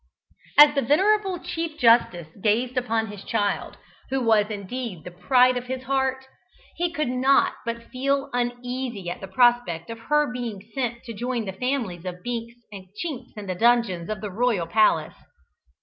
As the venerable Chief Justice gazed upon his child, who was indeed the pride of his heart, he could not but feel uneasy at the prospect of her being sent to join the families of Binks and Chinks in the dungeons of the royal palace.